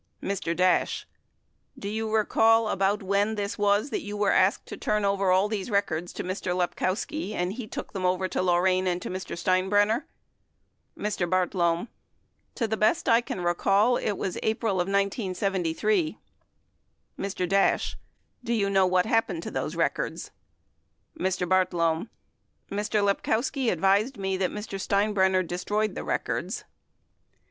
Mr. Dash. Do you recall about when this was that you were asked to turn these records over to Mr. Lepkowski and he took them over to Lorain and to Mr. Steinbrenner? Mr. Bartlome. To the best I can recall, it was April of 1973. Mr. Dash. Do you know what happened to those records ? Mr. Bartlome. Mr. Lepkowski advised me that Mr. Stein brenner destroyed the records.